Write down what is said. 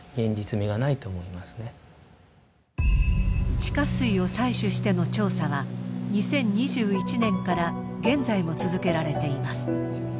地下水を採取しての調査は２０２１年から現在も続けられています。